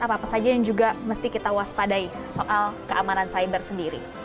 apa apa saja yang juga mesti kita waspadai soal keamanan cyber sendiri